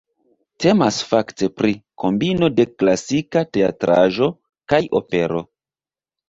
Temas fakte pri kombino de klasika teatraĵo kaj opero.